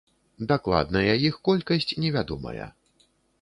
Дакладная іх колькасць невядомая.